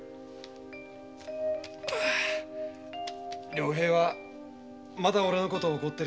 良平はまだおれのことを怒っているようだな。